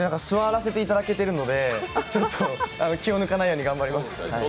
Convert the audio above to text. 座らせていただけてるので気を抜かないように頑張ります。